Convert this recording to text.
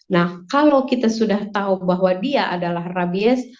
nah kalau kita sudah tahu bahwa dia adalah rabies